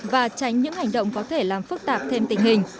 và tránh những hành động có thể làm phức tạp thêm tình hình